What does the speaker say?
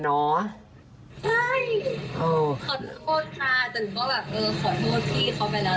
หนูว่ามันไม่ได้มีใครเทใคร